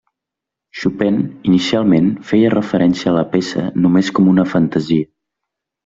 Chopin, inicialment, feia referència a la peça només com una fantasia.